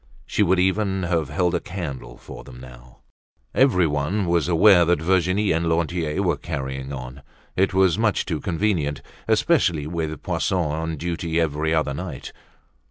She would even have held a candle for them now. Everyone was aware that Virginie and Lantier were carrying on. It was much too convenient, especially with Poisson on duty every other night.